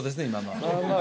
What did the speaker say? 今の。